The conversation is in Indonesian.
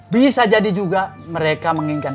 bisa jadi juga mereka menginginkan